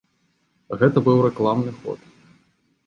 Гэта быў рэкламны ход.